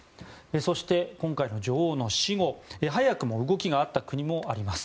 そして、今回の女王の死後早くも動きがあった国もあります。